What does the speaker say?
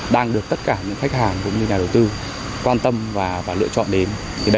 đang được tất cả những khách hàng cũng như nhà đầu tư quan tâm và lựa chọn đến đây